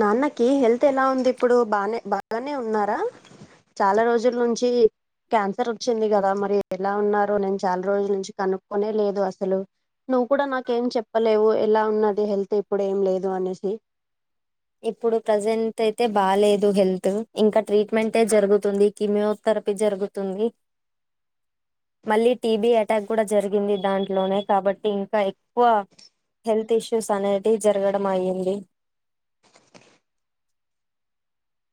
నాన్నకి హెల్త్ ఎలా ఉంది ఇప్పుడు బానే బాగానే ఉన్నారా చాలా రోజుల నుంచి క్యాన్సర్ వచ్చింది కదా మరి ఎలా ఉన్నారో నేను చాలా రోజుల నుంచి కనుక్కోనే లేదు అసలు నువ్వు కూడా నాకేం చెప్పలేవు ఎలా ఉన్నది హెల్త్ ఇప్పుడు ఏం లేదు అనేసి ఇప్పుడు ప్రజెంట్ అయితే బాలేదు హెల్త్ ఇంకా ట్రీట్మెంటే జరుగుతుంది కిమియోథెర పి జరుగుతుంది మళ్ళీ టీబీ అటాక్ కూడా జరిగింది దాంట్లోనే కాబట్టి ఇంకా ఎక్కువ హెల్త్ ఇష్యూస్ అనేటివి జరగడం అయ్యింది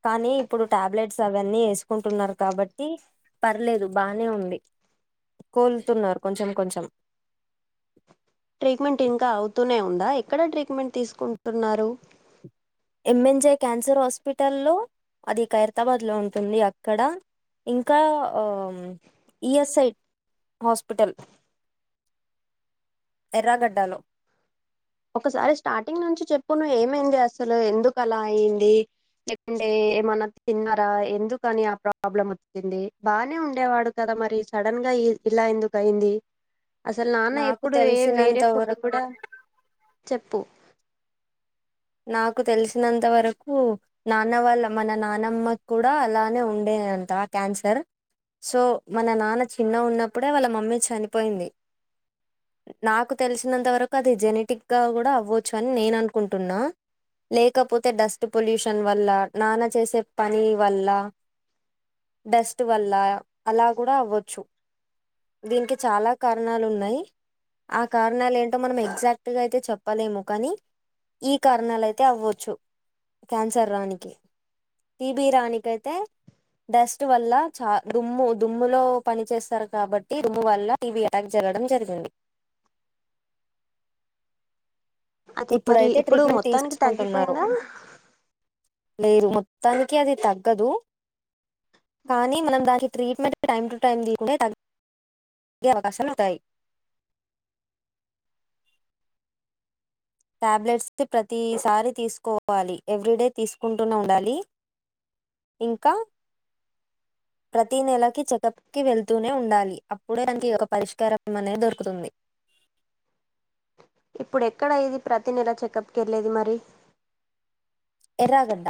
కానీ ఇప్పుడు టాబ్లెట్స్ అవన్నీ వేసుకుంటున్నారు కాబట్టి పర్లేదు బానే ఉంది కోలుతున్నారు కొంచెం కొంచెం ట్రీట్మెంట్ ఇంకా అవుతూనే ఉందా ఎక్కడ ట్రీట్మెంట్ తీసుకుంటున్నారు ఎంఎన్జే క్యాన్సర్ హాస్పిటల్ లో అది ఖైరతాబాద్ లో ఉంటుంది అక్కడ ఇంకా ఈఎస్ఐ హాస్పిటల్ ఎర్రాగడ్డాలో ఒకసారి స్టార్టింగ్ నుంచి చెప్పు నువ్ ఏమైంది అసలు ఎందుకు అలా అయింది లేకుంటే ఏమన్నా తిన్నారా ఎందుకని ఆ ప్రాబ్లం వచ్చింది బానే ఉండేవాడు కదా మరి సడన్ గా ఇలా ఎందుకయింది అసలు నాన్న నాకు ఎప్పుడు ఏ వేరే తెలిసినంత ఫుడ్ వరకు కూడా చెప్పు నాకు తెలిసినంత వరకు నాన్న వాళ్ళ మన నానమ్మ కూడా అలానే ఉండే దంట క్యాన్సర్ సో మన నాన్న చిన్నగ ఉన్నప్పుడే వాళ్ళ మమ్మీ చనిపోయింది నాకు తెలిసినంత వరకు అది జెనెటిక్ గా కూడా అవ్వచ్చు అని నేను అనుకుంటున్నా లేకపోతే డస్ట్ పొల్యూషన్ వల్ల నాన్న చేసే పని వల్ల డస్ట్ వల్ల అలా కూడా అవ్వచ్చు దీనికి చాలా కారణాలు ఉన్నాయి ఆ కారణ కారణాలు ఏంటో మనం ఎగ్జాక్ట్ గా అయితే చెప్పలేము కానీ కారణాలయితే అవ్వచ్చు క్యాన్సర్ రానికి టిబి రానికైతే డస్ట్ వల్ల చ దుమ్ము దుమ్ము లో పని చేస్తారు కాబట్టి దుమ్ము వల్ల టీబి అటాక్ జరు ఇవ్వడం జరిగింది అది మరి ఇప్పుడైతే ఇప్పుడు ట్రీట్మెంట్ మొత్తానికి తీసుకుంటున్నారు తగ్గిపోయిందా లేదు మొత్తానికి అది తగ్గదు కానీ మనం దానికి ట్రీట్మెంట్ టైమ్ టు టైమ్ తీసుకుంటే తగ అవకాశాలు ఉంటాయి టాబ్లెట్స్ ప్రతిసారి తీసుకోవాలి ఎవ్రీ డే తీసుకుంటూనే ఉండాలి ఇంకా ప్రతి నెలకి చెకప్ కి వెళ్తూనే ఉండాలి అప్పుడే దానికి ఒక పరిష్కారం అనే దొరుకుతుంది ఇప్పుడుక్కడయిది ప్రతి నెల చెకప్కి వెళ్ళది మరి ఎర్రగడ్డ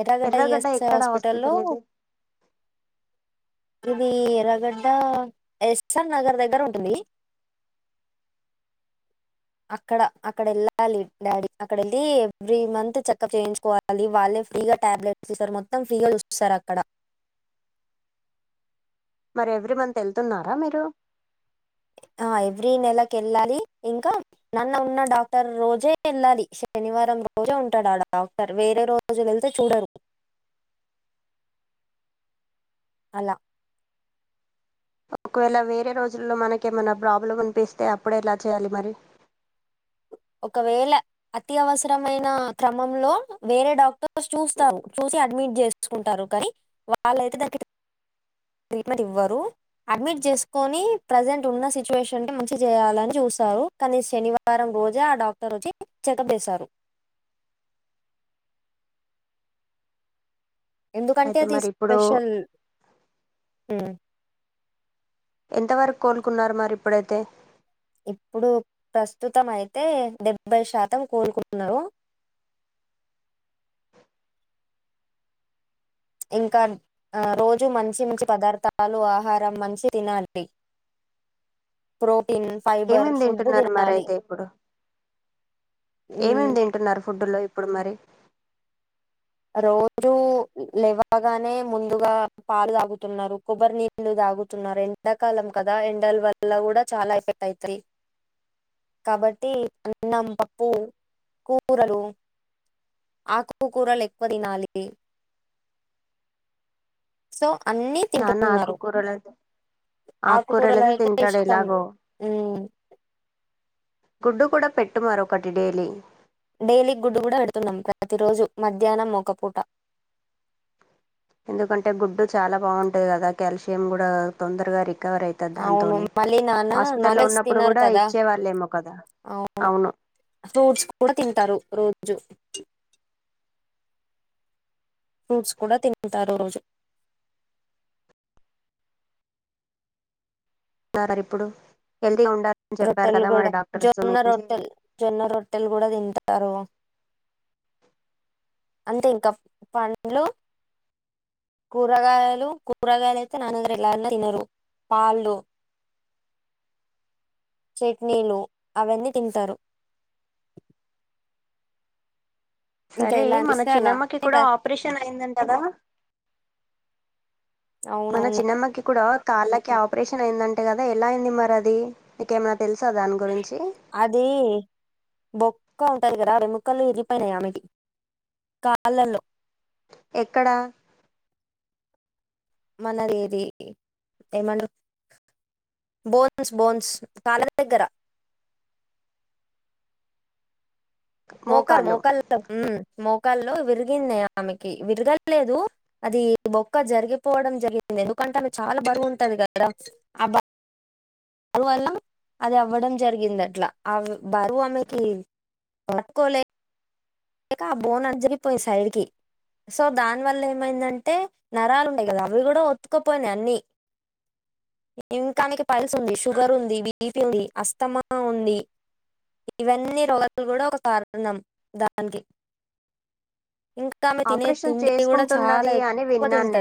ఎర్రగడ్డ ఈఎస్ఐ హాస్పిటల్ లో ఇది ఎర్రగడ్డ ఎస్ర్ నగర్ దగ్గర ఉంటుంది అక్కడ అక్కడ వెళ్ళాలి డాడీ అక్కడ వెళ్ళి ఎవ్రీ మంత్ చెకప్ చేయించుకోవాలి వాళ్ళే ఫ్రీగా టాబ్లెట్స్ తీస్తారు మొత్తం ఫ్రీగా చూస్తుస్తారు అక్కడ మరి ఎవ్రీ మంత్ వెళ్తున్నారా మీరు ఆ ఎవ్రీ నెలకి వెళ్ళాలి ఇంకా నన్న ఉన్న డాక్టర్ రోజే వెళ్ళాలి శనివారం రోజే ఉంటాడు అడా ఆ డాక్టర్ వేరే రోజులు అయితే చూడరు అలా ఒకవేళ వేరే రోజుల్లో మనకేమైనా ప్రాబ్లం అనిపిస్తే అప్పుడే ఎలా చేయాలి మరి ఒకవేళ అతి అవసరమైన క్రమంలో వేరే డాక్టర్స్ చూస్తారు చూ అడ్మిట్ చేసుకుంటారు కానీ వాళ్ళయితే దాని ట్రీట్మెంట్ ఇవ్వరు అడ్మిట్ చేసుకొని ప్రజెంట్ ఉన్న సిచువేషన్ మంచి చేయాలని చూస్తారు కానీ శనివారం రోజు గా ఆ డాక్టర్ వచ్చి చెకప్ చేస్తారు ఎందుకంటే అయితే అది మరి ఇప్పుడు స్పెషల్ మ్ ఎంతవరకు కోలుకున్నారు మరి ఇప్పుడైతే ఇప్పుడు ప్రస్తుతం అయితే డెబ్బై శాతం కోలుకున్నారు ఇంకా ఆ రోజు మంచి మంచి పదార్థాలు ఆహారం మంచి తినాలి ప్రో ఏమేమి తింటున్నారు మరి అయితే ఇప్పుడు ఉమ్, ఏమేమి తింటున్నారు ఫుడ్డులో ఇప్పుడు మరి తప్పగానే ముందుగా పాలు తాగుతు ఉన్నారు కొబ్బరి నీళ్లు తాగుతు ఉన్నారు ఎండాకాలం కదా ఎండా ఎండల్ వల్ల కూడా చాలా ఎఫెక్ట్ అయితయి కాబట్టి అన్నం పప్పు కూరలు ఆకుకూరలు ఎక్కువ తినాలి సో అన్నీ తింటు నాన్న ఉన్నారు ఆకుకూరలు ఆకుకూరలు ఆకుకూరాలు అయితే తింటాడు ఇష్టం ఎలాగో గుడ్డు కూడా పెట్టు మరొకటి డేలీ డైలీ గుడ్డు కూడా పెడుతున్నాం ప్రతిరోజు మధ్యాహ్నం మొక్కపూట ఎందుకంటే గుడ్డు చాలా బావుఉంటుంది కదా కల్షియం కూడా తొందరగా రిక అవర్ అయితఅంద అవును దాంతోనే మళ్ళీ నాన్న నాన్ హాస్పిటల్లో వెజ్ ఉన్న అప్పుడు తినరు కూడా కదా ఇచ్చే వాళ్ళేమో కదా అవును ఫ్రూట్స్ కూడా తింటారు రోజు ఫ్రూట్స్ కూడా తింటారు రోజు రార ఇప్పుడు వేల్ రొట్టెల్ కూడా జొన్న మంచి రొట్టెల్ జొన్న రొట్టెల్ కూడా తింటా అంటే ఇంకా పండ్లు కూరగాయలు కూరగాయలైతే నాన్నగ్ర ఎలా తినరు పాళ్ళు చట్నీలు అవన్నీ తింటారు ఇంకా సరే ఎలా మన అనిపిస్తే అలా చిన్నమ్మకి కూడా ఆపరేషన్ అయిందండి కదా మన అవునవును చిన్నమ్మకి కూడా కాళ్ళకి ఆపరేషన్ అయిందంటే కదా ఎలా అయింది మరి అది నకేమనా అదే బ ముక్క ఉంటది కదా అ రముక్కలు ఎరిపోయినాయి ఆమెటి కాళ్ళల్లో ఎక్కడ మనదిది ఏమ బోన్స్ బోన్స్ కాల దగ్గర మోకల్ మోకాళ్ళు మోకల్ో మొక్కల్లో విరిగింది ఆమెకి విరగలేదు అది బొక్క జరిగిపోవడం జరిగింది అంట చాలా బరువుంటది కదా ఆ బా బరువల్ల అది అవ్వడం జరిగింది అట్లా ఆ బరువు ఆమెకి వాట్ కోలే ఇకా ఆ బోన్ అజగిపోయి సైడ్కి సో దానివల్ల ఏమైందంటే నరాలు ఉండాయి కదా అవి కూడా ఒత్తుకుపోయినాయి అన్నీ ఇంకానికి పైల్స్ ఉంది షుగర్ ఉంది బీఫీ ఉంది అస్తమా ఉంది ఇవన్నీ రోగాలు కూడా ఒక కారణం దానికి ఇంకా ఇంకా ఆమె తినే ఆపరేషన్ తిండి కూడా చాలా చేసుకుంటున్నది అని ఎక్కువ విన్నాను తింటది